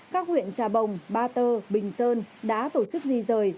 các huyện trà bồng ba tơ bình sơn đã tổ chức di rời